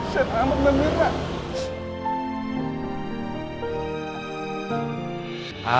selamat malam mbak